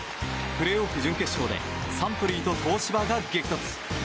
プレーオフ準決勝でサントリーと東芝が激突。